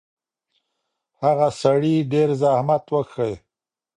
هغه سړي ډېر زحمت وکښی.